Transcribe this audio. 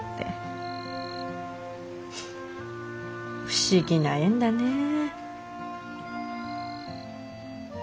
不思議な縁だねぇ。